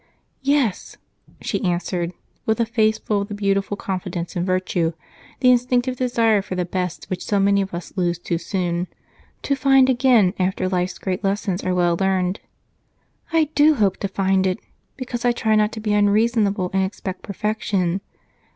"Yes," she answered, with a face full of the beautiful confidence in virtue, the instinctive desire for the best which so many of us lose too soon, to find again after life's great lessons are well learned. "I do hope to find it, because I try not to be unreasonable and expect perfection.